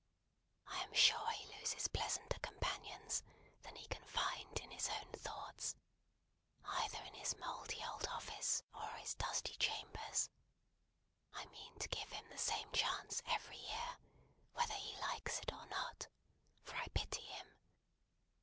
I am sure he loses pleasanter companions than he can find in his own thoughts, either in his mouldy old office, or his dusty chambers. I mean to give him the same chance every year, whether he likes it or not, for I pity him.